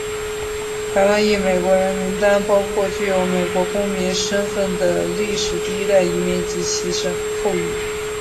台湾裔美国人名单包括具有美国公民身份的原始第一代移民及其后裔。